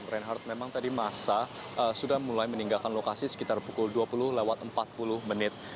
reinhardt memang tadi masa sudah mulai meninggalkan lokasi sekitar pukul dua puluh lewat empat puluh menit